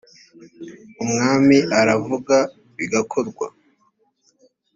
umwami aravuga bigakorwa.